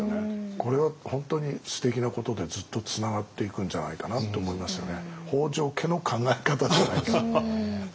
これは本当にすてきなことでずっとつながっていくんじゃないかなと思いますよね。